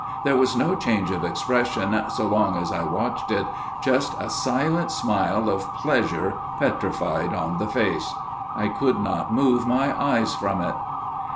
There was no change of expression so long as I watched it, just a silent smile of pleasure petrified on the face. I could not move my eyes from it.